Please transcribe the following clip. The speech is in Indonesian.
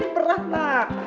ini berat pak